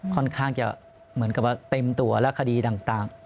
ค่อนข้างจะเหมือนกับว่าเต็มตัวและคดีต่าง